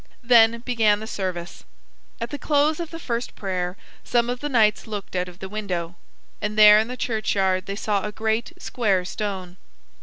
Then began the service. At the close of the first prayer some of the knights looked out of the window, and there in the churchyard they saw a great square stone.